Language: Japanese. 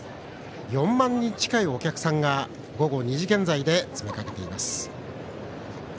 ４万人近いお客さんが午後２時現在で詰めかけています。